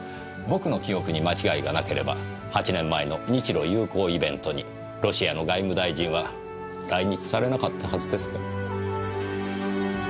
僕の記憶に間違いがなければ８年前の日露友好イベントにロシアの外務大臣は来日されなかったはずですが。